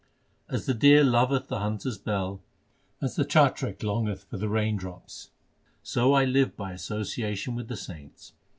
As the deer loveth the hunter s bell, As the chatrik longeth for the rain drops, So I live by association with the saints.